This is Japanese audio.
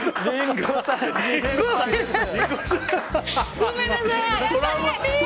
ごめんなさい。